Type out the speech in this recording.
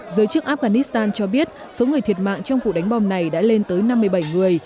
giới chức afghanistan cho biết số người thiệt mạng trong vụ đánh bom này đã lên tới năm mươi bảy người